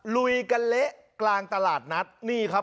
ลุยกะเลตลาดนัดนี่ครับ